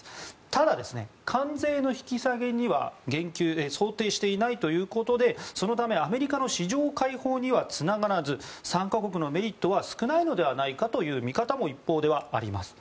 ただ、関税の引き下げには想定していないということでそのため、アメリカの市場開放にはつながらず参加国のメリットは少ないのではないかという見方も一方ではあります。